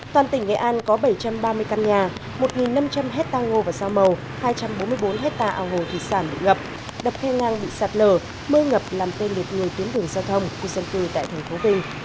toàn tỉnh nghệ an có bảy trăm ba mươi căn nhà một năm trăm linh hectare ngô và sao màu hai trăm bốn mươi bốn hectare ảo hồ thị sản bị ngập đập khe ngang bị sạt lờ mưa ngập làm tên liệt người tuyến đường giao thông quy sân cư tại thành phố vinh